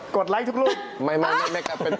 กดไลค์ทุกรุ่งครับไม่